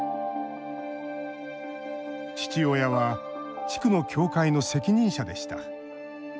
父親は地区の教会の責任者でした。